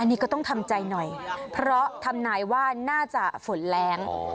อันนี้ก็ต้องทำใจหน่อยเพราะทำนายว่าน่าจะฝนแรง